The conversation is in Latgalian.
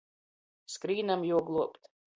Skrīnam juo gluobt.